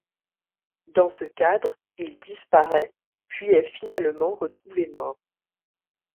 Dans ce cadre, il disparaît, puis est finalement retrouvé mort.